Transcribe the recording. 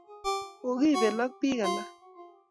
kokibel ak bik alak